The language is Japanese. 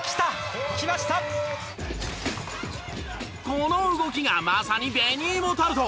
この動きがまさに紅芋タルト！